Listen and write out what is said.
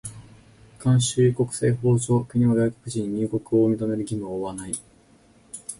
慣習国際法上、国は外国人に入国を認める義務を負わない。